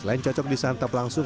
selain cocok disantap langsung